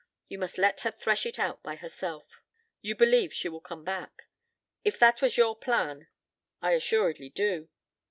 You must let her thresh it out by herself." "You believe she will come back." "If that was your plan, I assuredly do.